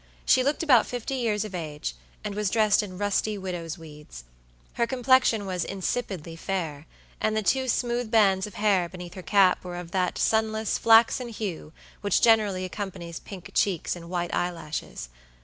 She looked about fifty years of age, and was dressed in rusty widow's weeds. Her complexion was insipidly fair, and the two smooth bands of hair beneath her cap were of that sunless, flaxen hue which generally accompanies pink cheeks and white eyelashes.